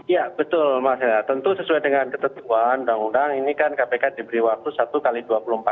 ya betul mas enhan tentu sesuai dengan ketentuan undang undang ini kan kpk diberi waktu sementara